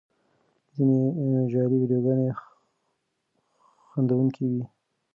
ځینې جعلي ویډیوګانې خندوونکې وي.